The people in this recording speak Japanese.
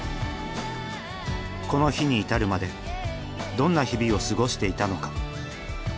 この日に至るまでどんな日々を過ごしていたのか。